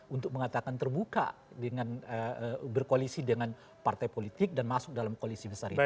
untuk mengatakan terbuka dengan berkoalisi dengan partai politik dan masuk dalam koalisi besar itu